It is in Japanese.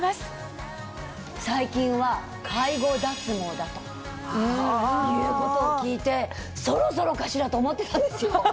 だということを聞いてそろそろかしらと思ってたんですよ。